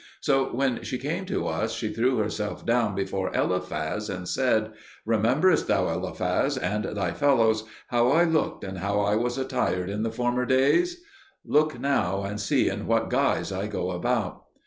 So when she came to us, she threw herself down before Eliphaz and said, "Rememberest thou, Eliphaz and thy fellows, how I looked and how I was attired in the former days? Look now and see in what guise I go about."